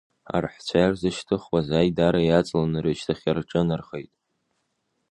Арҳәцәа, ирзышьҭыхуаз аидара иаҵаланы рышьҭахьҟа рҿынархеит.